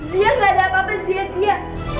zia gak ada apa apa zia zia